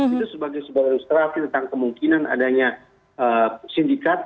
itu sebagai sebuah ilustrasi tentang kemungkinan adanya sindikat